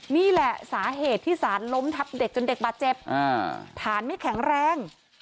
นี่แหละสาเหตุที่สารล้มทับเด็กจนเด็กบาดเจ็บฐานไม่แข็งแรง